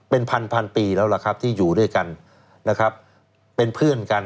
เป็นพันพันปีแล้วล่ะครับที่อยู่ด้วยกันนะครับเป็นเพื่อนกัน